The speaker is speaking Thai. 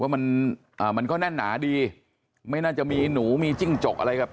ว่ามันอ่ามันก็แน่นหนาดีไม่น่าจะมีหนูมีจิ้งจกอะไรแบบ